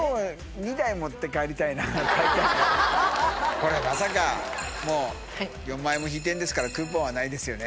これまさかもう４万円も引いてるんですからクーポンはないですよね？